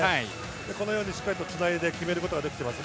このように、しっかりとつないで決めることができています。